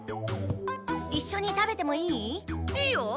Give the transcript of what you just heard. いっしょに食べてもいい？いいよ。